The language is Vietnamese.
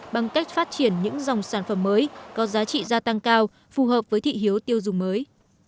bằng cách phát triển những dòng sản phẩm mới có giá trị gia tăng cao phù hợp với thị hiếu tiêu dùng mới